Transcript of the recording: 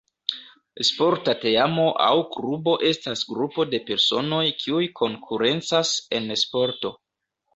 Sporta teamo aŭ klubo estas grupo de personoj kiuj konkurencas en sporto.